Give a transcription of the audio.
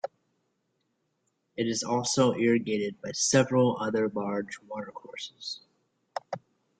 It is also irrigated by several other large watercourses.